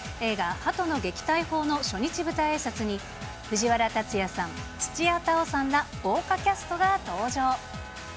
鳩の撃退法の初日舞台あいさつに、藤原竜也さん、土屋太鳳さんら豪華キャストが登場。